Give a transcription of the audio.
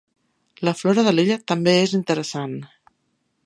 La flora de l'illa també és interessant.